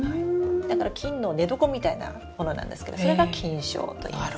だから菌の寝床みたいなものなんですけどそれが菌床といいます。